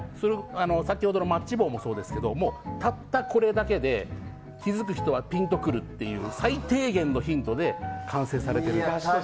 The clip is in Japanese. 先ほどのマッチ棒もそうですがたったこれだけで気づく人はピンとくるという最低限のヒントで完成されている。